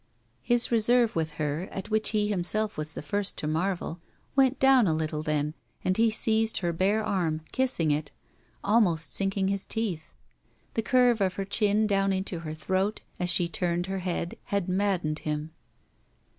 His reserve with her, at which he himself was the first to marvel, Vent down a little then and he seized her bare arm, kissing it, almost sinking his teeth. The curve of her chin down into her throat, as she turned her head, had maddened him.